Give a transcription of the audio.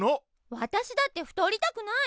わたしだって太りたくない。